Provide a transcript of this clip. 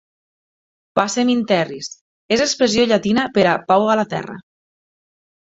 "Pacem in terris" és l'expressió llatina per a 'Pau a la Terra'.